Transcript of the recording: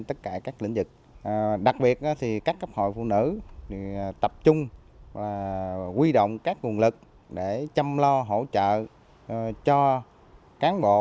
tập trung quy động các nguồn lực để chăm lo hỗ trợ cho cán bộ